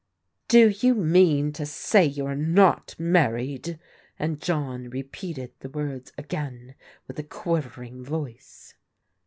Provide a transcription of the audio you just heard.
" Do you mean to say you are not married? " and John repeated the words again with a quivering voice.